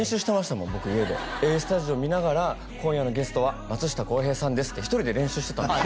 もん僕家で「ＡＳＴＵＤＩＯ＋」見ながら今夜のゲストは松下洸平さんですって１人で練習してたんですよ